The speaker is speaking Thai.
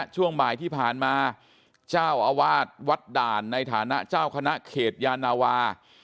ช่วงบ่ายที่ผ่านมาเจ้าอาวาสวัดด่านในฐานะเจ้าคณะเขตยานาวา